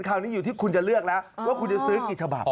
คราวนี้อยู่ที่คุณจะเลือกแล้วว่าคุณจะซื้อกี่ฉบับ